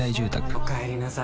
おかえりなさい。